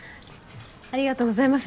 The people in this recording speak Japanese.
ありがとうございます。